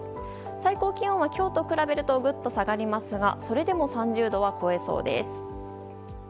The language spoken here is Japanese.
最高気温は今日と比べるとぐっと下がりますがそれでも３０度は超えそうです。